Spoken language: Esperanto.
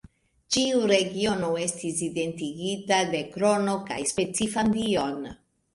Ĉiu regiono estis identigita de krono kaj specifan dion.